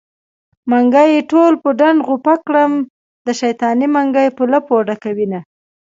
منګي يې ټول په ډنډ غوپه کړم د شيطانۍ منګی په لپو ډکوينه